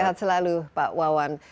sehat selalu pak wawan